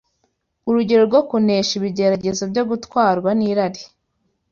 urugero rwo kunesha ibigeragezo byo gutwarwa n’irari.